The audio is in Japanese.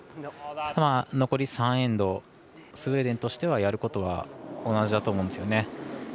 残り３エンドスウェーデンとしてはやることは同じだと思うんですね。